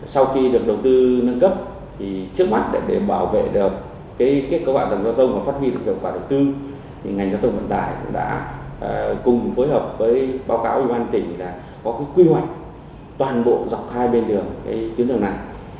sau khi được đầu tư nâng cấp thì trước mắt để bảo vệ được kết cấu hạ tầng giao thông và phát huy được hiệu quả đầu tư thì ngành giao thông vận tải cũng đã cùng phối hợp với báo cáo ủy ban tỉnh là có cái quy hoạch toàn bộ dọc hai bên đường cái tuyến đường này